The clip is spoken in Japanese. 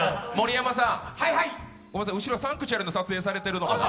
ごめんなさい、後ろ、「サンクチュアリ−聖域−」の撮影されてるのかな？